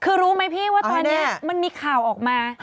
คือรู้ไหมพี่ว่าตอนนี้มันมีข่าวออกมา